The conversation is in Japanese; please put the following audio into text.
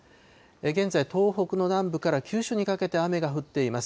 現在、東北の南部から九州にかけて雨が降っています。